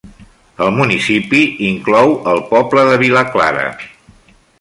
El municipi inclou el poble de Vilaclara.